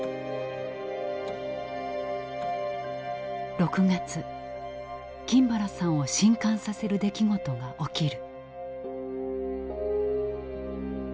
６月金原さんを震かんさせる出来事が起きる。